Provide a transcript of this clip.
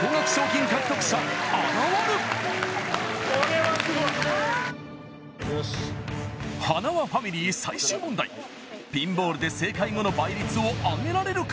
はなわファミリー最終問題ピンボールで正解後の倍率を上げられるか？